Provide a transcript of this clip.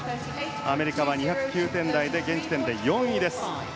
アメリカは２０９点台で現時点で４位です。